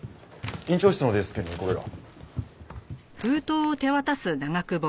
院長室のデスクにこれが。